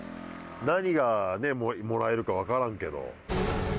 何がもらえるか分からんけど。